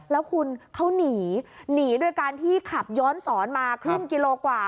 แล้วคุณเขาหนีหนีโดยการที่ขับย้อนสอนมาครึ่งกิโลกว่า